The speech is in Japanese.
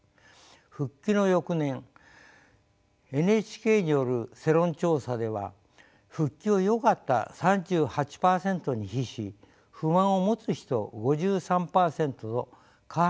復帰の翌年ＮＨＫによる世論調査では「復帰をよかった」３８％に比し「不満を持つ人」５３％と過半数を超えました。